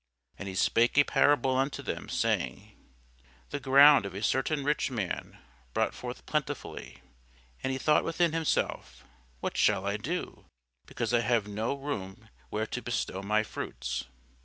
And he spake a parable unto them, saying, The ground of a certain rich man brought forth plentifully: and he thought within himself, saying, What shall I do, because I have no room where to bestow my fruits?